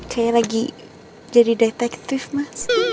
saya lagi jadi detektif mas